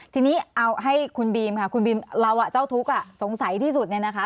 ทีนี้เอาให้คุณบีมค่ะคุณบีมเราเจ้าทุกข์สงสัยที่สุดเนี่ยนะคะ